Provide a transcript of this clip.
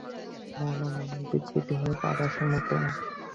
মন ও মননের বিস্তৃতি হোক আকাশের মতন।